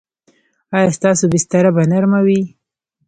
ایا ستاسو بستره به نرمه وي؟